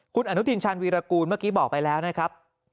คุณอนุทินชาญวีรกูลเมื่อกี้บอกไปแล้วนะครับ